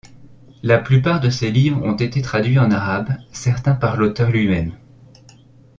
La plupart de ses livres ont été traduits en arabe, certains par l'auteur lui-même.